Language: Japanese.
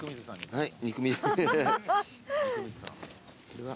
はい。